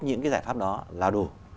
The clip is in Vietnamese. những cái giải pháp đó là đủ